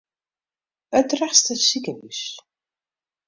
It Drachtster sikehús.